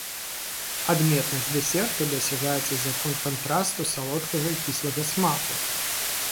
Адметнасць дэсерту дасягаецца за конт кантрасту салодкага і кіслага смаку.